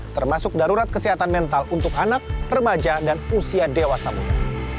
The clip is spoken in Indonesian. termasuk darurat kesehatan mental untuk anak remaja dan usia dewasa muda